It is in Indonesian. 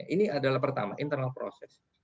ini adalah pertama internal proses